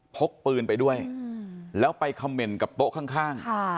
พกปืนไปด้วยแล้วไปคำเมนต์กับโต๊ะข้าง